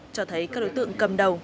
cho thấy các đối tượng cầm đầu